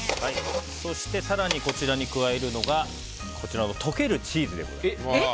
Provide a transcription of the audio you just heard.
そして更にこちらに加えるのがこちらの溶けるチーズでございます。